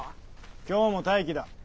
今日も待機だ。